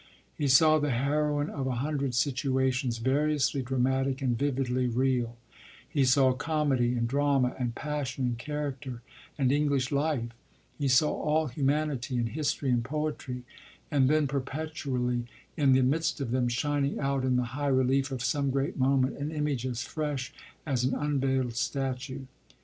He saw the heroine of a hundred "situations," variously dramatic and vividly real; he saw comedy and drama and passion and character and English life; he saw all humanity and history and poetry, and then perpetually, in the midst of them, shining out in the high relief of some great moment, an image as fresh as an unveiled statue.